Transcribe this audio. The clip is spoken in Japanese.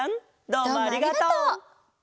どうもありがとう！